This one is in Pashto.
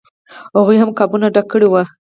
هغوی هم قابونه ډک کړي وو.